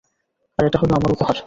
আর এটা হলো আমার উপহার।